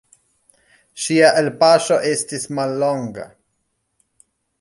Ŝia elpaŝo estis mallonga.